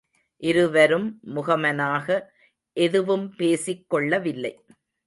இருவரும் முகமனாக எதுவும் பேசிக் கொள்ளவில்லை.